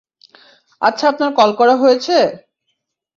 আচ্ছা আপনার কল করা হয়েছে?